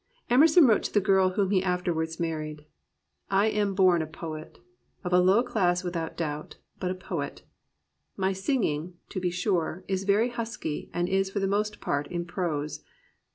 Emerson wrote to the girl whom he afterwards married :" I am born a poet, — of a low class without doubt, but a poet. ... My singing, to be sure, is very husky and is for the most part in prose.